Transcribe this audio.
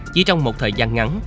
chỉ trong một thời gian ngắn